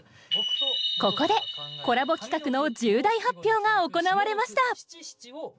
ここでコラボ企画の重大発表が行われました